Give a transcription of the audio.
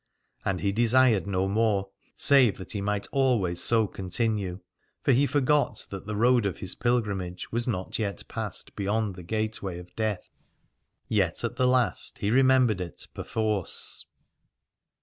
And he desired no more, save that he might always so continue : for he forgot that the road of his pilgrimage was not yet passed beyond the gateway of death, yet at the last he remembered it perforce.